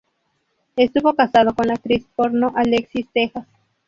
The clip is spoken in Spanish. Estuvo casado con la actriz porno Alexis Texas.